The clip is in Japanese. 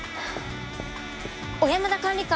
小山田管理官！